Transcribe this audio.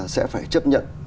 sẽ phải chấp nhận